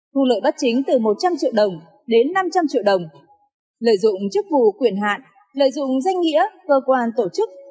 thu lợi bắt chính từ một trăm linh triệu đồng đến năm trăm linh triệu đồng lợi dụng chức vụ quyền hạn lợi dụng danh nghĩa cơ quan tổ chức